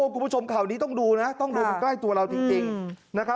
กลุ่มผู้ชมข่าวนี้ต้องดูนะต้องดูใกล้ตัวเราจริง